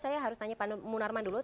saya harus tanya pak munarman dulu